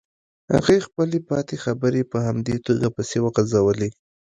هغې خپلې پاتې خبرې په همدې توګه پسې وغزولې.